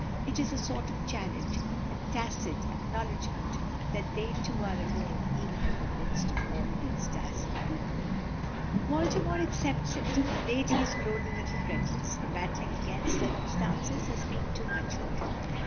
It is a sort of challenge, a tacit acknowledgment that they two are alone even in the midst of all these tiresome people. Baltimore accepts it. Of late he has grown a little reckless. The battling against circumstances has been too much for him.